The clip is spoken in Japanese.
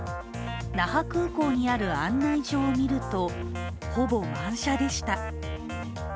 那覇空港にある案内所を見ると、ほぼ満車でした。